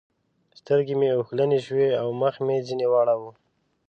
سترګې مې اوښلنې شوې او مخ مې ځنې واړاوو.